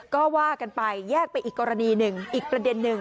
ก็ว่ากันไปแยกไปอีกกรณีหนึ่งอีกประเด็นหนึ่ง